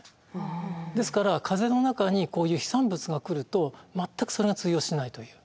ですから風の中にこういう飛散物が来ると全くそれが通用しないという。